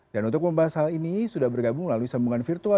dan untuk membahas hal ini sudah bergabung melalui sambungan virtual